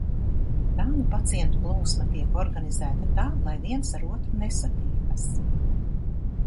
Tā nu pacientu plūsma tiek organizēta tā, lai viens ar otru nesatiekas.